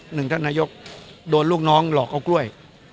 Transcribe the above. หนึ่งท่านนายกโดนลูกน้องหลอกเอากล้วย